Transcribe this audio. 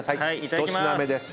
１品目です。